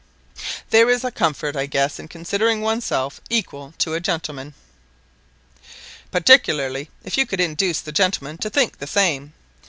"There is a comfort, I guess, in considering oneself equal to a gentleman." "Particularly if you could induce the gentleman to think the same."